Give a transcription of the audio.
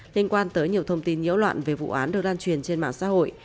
liên quan tới nhiều thông tin nhiễu loạn về vụ án được lan truyền trên mạng xã hội